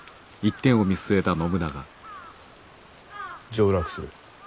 上洛する。